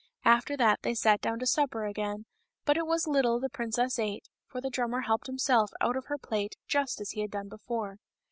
After that they sat down to supper again, but it was little the princess ate, for the drummer helped himself out of her plate just as he had done before.